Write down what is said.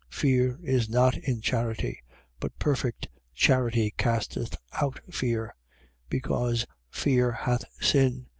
4:18. Fear is not in charity: but perfect charity casteth out fear, because fear hath sin.